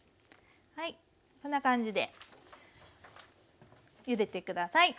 はいこんな感じでゆでて下さい。